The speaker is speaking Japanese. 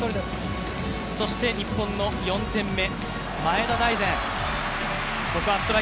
そして日本の４点目、前田大然。